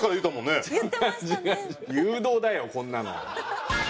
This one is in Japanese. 誘導だよこんなの。